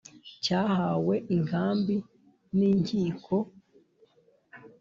cyahawe inkambi ninkiko,